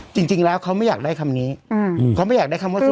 จริงแล้วเขาไม่อยากได้คำนี้เขาไม่อยากได้คำว่า